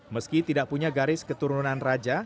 meski tidak punya garis keturunan raja